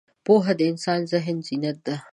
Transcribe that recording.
پوهه د انسان د ذهن زینت ده.